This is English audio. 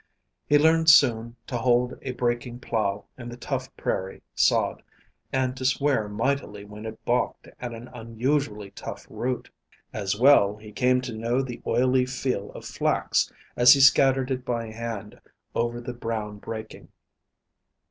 He learned soon to hold a breaking plough in the tough prairie sod, and to swear mightily when it balked at an unusually tough root. As well, he came to know the oily feel of flax as he scattered it by hand over the brown breaking.